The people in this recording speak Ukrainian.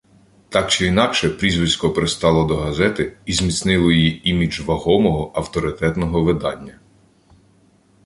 Так чи інакше прізвисько пристало до газети і зміцнило її імідж вагомого, авторитетного видання.